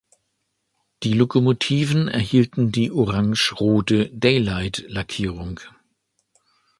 Die Lokomotiven erhielten die orange-rote „Daylight“-Lackierung.